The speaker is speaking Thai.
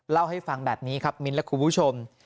เล่าให้ฟังแบบนี้ครับมิ้นและคุณผู้ชม